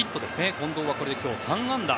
近藤はこれで今日３安打。